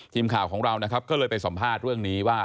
ทีมข่าวของเรานะครับก็เลยไปสัมภาษณ์เรื่องนี้ว่า